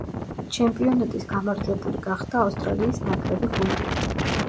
ჩემპიონატის გამარჯვებული გახდა ავსტრალიის ნაკრები გუნდი.